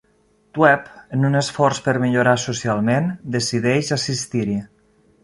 Dweeb, en un esforç per millorar socialment, decideix assistir-hi.